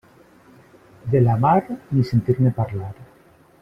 De la mar, ni sentir-ne parlar.